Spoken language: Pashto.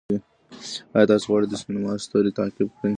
آیا تاسې غواړئ د سینما ستوری تعقیب کړئ؟